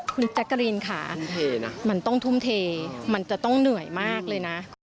คุณแจ๊กกะรีนค่ะมันต้องทุ่มเทมันจะต้องเหนื่อยมากเลยนะ